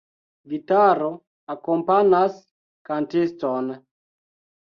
Gitaro akompanas kantiston.